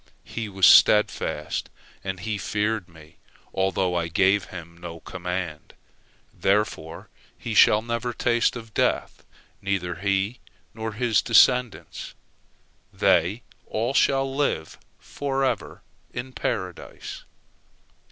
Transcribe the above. He was steadfast, and he feared Me, although I gave him no command. Therefore he shall never taste of death, neither he nor his descendants—they all shall live forever in Paradise."